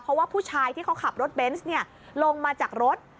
เพราะว่าผู้ชายที่เขาขับรถเบนส์ลงมาจากรถ